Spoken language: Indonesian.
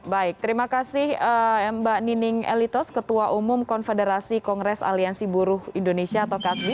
baik terima kasih mbak nining elitos ketua umum konfederasi kongres aliansi buruh indonesia atau kasbi